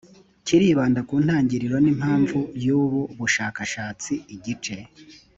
kiribanda ku ntangiriro n impamvu y ubu bushakashatsi igice